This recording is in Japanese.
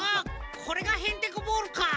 これがヘンテコボールかぁ。